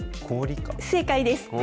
正解です。